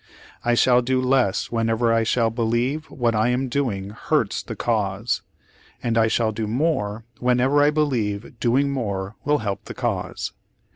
"I shall do less whenever I shall believe what I am doing hurts the cause, and I shall do more whenever I believe doing more will help the cause.